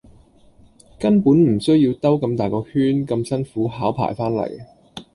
根本唔需要兜咁大個圈咁辛苦考牌番黎